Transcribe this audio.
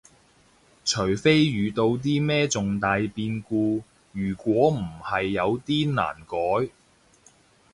除非遇到啲咩重大變故，如果唔係有啲難改